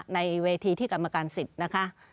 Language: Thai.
ในเวทีที่กรรมการสิทธิ์นะคะ